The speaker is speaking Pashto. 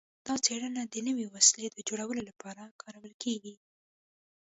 دا څیړنه د نوې وسیلې د جوړولو لپاره کارول کیږي.